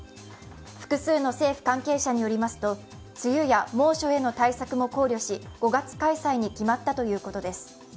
複数の政府関係者によりますと梅雨や猛暑への対策も考慮し５月開催に決まったということです